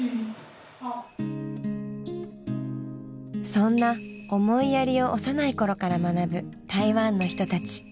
そんな思いやりを幼い頃から学ぶ台湾の人たち。